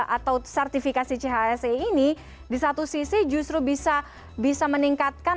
atau sertifikasi chse ini di satu sisi justru bisa meningkatkan